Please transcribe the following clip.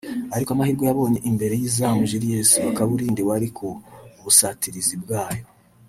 ariko amahirwe yabonye imbere y’izamu Julius Bakabulindi wari ku busatirizi bwayo